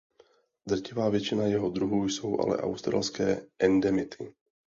Drtivá většina jeho druhů jsou ale australské endemity.